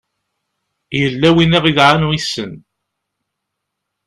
yella win i aɣ-d-idɛan wissen